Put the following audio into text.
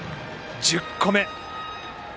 １０個目。